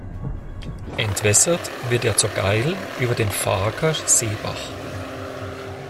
Entwässert wird er zur Gail über den "Faaker Seebach".